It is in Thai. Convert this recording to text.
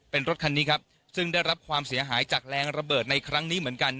เป็นรถคันนี้ครับซึ่งได้รับความเสียหายจากแรงระเบิดในครั้งนี้เหมือนกัน